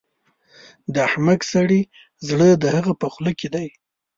د احمق سړي زړه د هغه په خوله کې دی.